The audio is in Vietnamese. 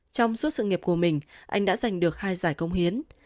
trong suốt sự nghiệp của mình anh đã giành được hai giải công hiến